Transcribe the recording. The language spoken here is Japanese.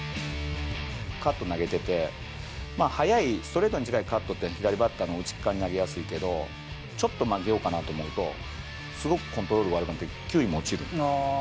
カット投げてて、まあ速い、ストレートに近いカットって左バッターの内側に投げやすいけど、ちょっと曲げようかなと思うと、すごくコントロールが悪くなって球威も落ちる。